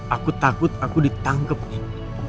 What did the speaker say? aku takut aku ditangkep nin